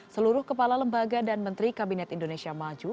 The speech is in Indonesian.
seluruh kepala lembaga dan menteri kabinet indonesia maju